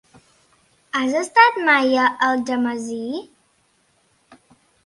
Has estat mai a Algemesí?